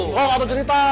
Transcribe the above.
kok atu cerita